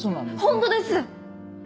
ホントです！